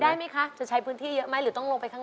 แล้วขายลูกชิ้นเนี่ยขายดีไหมของใบบัว